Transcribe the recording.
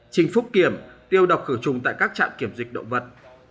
trình phúc kiểm tiêu độc khử trùng tại các trạm kiểm dịch động vật